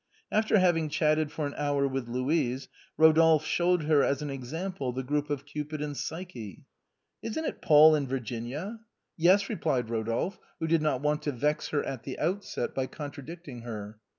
After having chatted for an hour with Louise, Rodolphe showed her, as an example, the group of Cupid and Psyche. " Isn't it Paul and Virginia? " said she. " Yes," replied Rodolphe, who did not want to vex her at the outset by contradicting her.